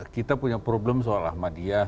kita punya problem soal ahmadiyah